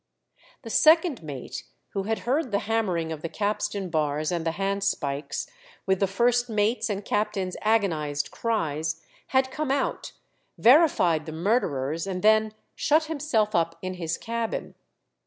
The second mate, who had heard the hammering of the capstan bars and the handspikes, with the first mate's and captain's agonized cries, had come out, verified the murderers, and then shut himself up in his cabin.